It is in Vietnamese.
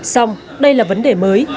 xong đây là vấn đề mới